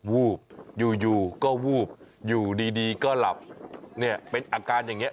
วูบอยู่ก็วูบอยู่ดีก็หลับเนี่ยเป็นอาการอย่างนี้